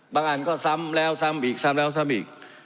อันก็ซ้ำแล้วซ้ำอีกซ้ำแล้วซ้ำอีก